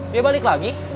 dia balik lagi